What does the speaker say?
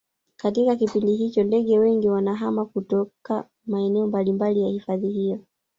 katika kipindi hicho ndege wengi wanahama kutoka maeneo mbalimbali ya hifadhi hiyo